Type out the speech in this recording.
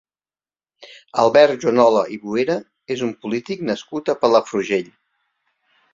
Albert Juanola i Boera és un polític nascut a Palafrugell.